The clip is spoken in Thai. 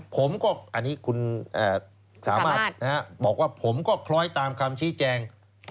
ผมก็อันนี้คุณสามารถบอกว่าผมก็คล้อยตามคำชี้แจง